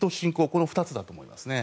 この２つだと思いますね。